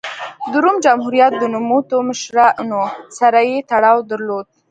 د روم جمهوریت د نوموتو مشرانو سره یې تړاو درلود